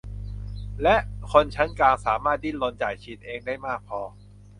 และคนชั้นกลางสามารถดิ้นรนจ่ายฉีดเองได้มากพอ